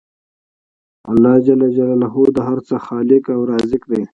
الله ج د هر څه خالق او رازق دی